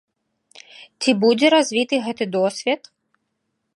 Ці будзе развіты гэты досвед?